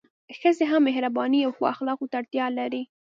ښځي هم مهربانۍ او ښو اخلاقو ته اړتیا لري